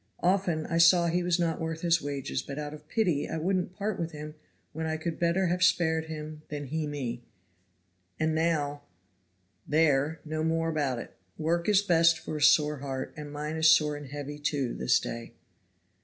Often I saw he was not worth his wages, but out of pity I wouldn't part with him when I could better have spared him than he me, and now there no more about it. Work is best for a sore heart, and mine is sore and heavy, too, this day."